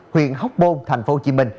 huyện hóc môn tp hcm